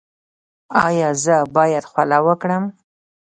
ایا زه باید خوله وکړم؟